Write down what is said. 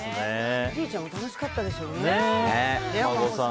おじいちゃんも楽しかったでしょうね。